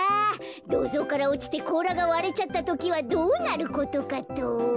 どうぞうからおちてこうらがわれちゃったときはどうなることかと。